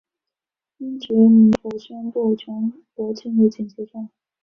英殖民政府宣布全国进入紧急状态。